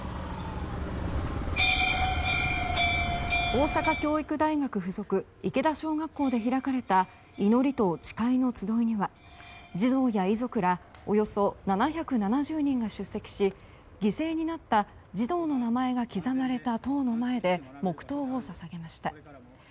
大阪教育大学附属池田小学校で開かれた祈りと誓いの集いには児童や遺族らおよそ７７０人が出席し犠牲になった児童の名前が刻まれた塔の前で黙祷を捧げました。